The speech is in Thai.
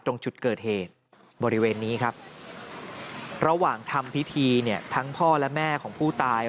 ตรงจุดเกิดเหตุบริเวณนี้ครับระหว่างทำพิธีเนี่ยทั้งพ่อและแม่ของผู้ตาย